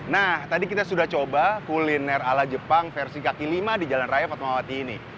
nah tadi kita sudah coba kuliner ala jepang versi kaki lima di jalan raya fatmawati ini